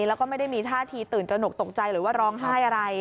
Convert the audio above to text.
แล้วก็ไม่ได้มีท่าทีตื่นตระหนกตกใจหรือว่าร้องไห้อะไร